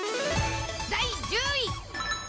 第１０位。